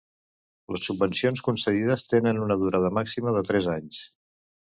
Les subvencions concedides tenen una durada màxima de tres anys.